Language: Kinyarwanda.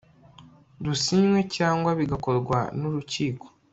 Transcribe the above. rusinywe cyangwa bigakorwa n urukiko